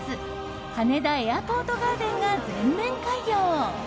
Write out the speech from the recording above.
羽田エアポートガーデンが全面開業。